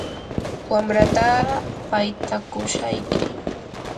wamrataa paytakushayki.